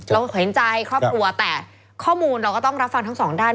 เห็นใจครอบครัวแต่ข้อมูลเราก็ต้องรับฟังทั้งสองด้าน